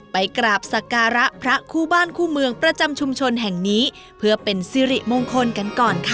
ไปกราบสักการะพระคู่บ้านคู่เมืองประจำชุมชนแห่งนี้เพื่อเป็นสิริมงคลกันก่อนค่ะ